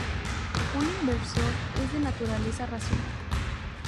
Un inversor es de naturaleza racional.